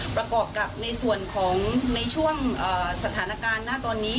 ประกอบกับในส่วนของในช่วงสถานการณ์ณตอนนี้